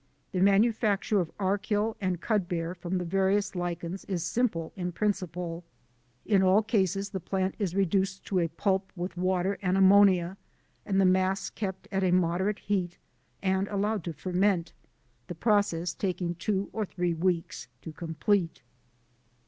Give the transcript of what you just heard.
The manufacture of Archil and Cudbear from the various lichens is simple in principle. In all cases the plant is reduced to a pulp with water and ammonia, and the mass kept at a moderate heat and allowed to ferment, the process taking two or three weeks to complete.